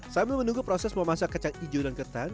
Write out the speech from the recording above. sambil menunggu proses memasak kacang hijau dan ketan